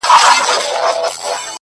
جانان ارمان د هره یو انسان دی والله!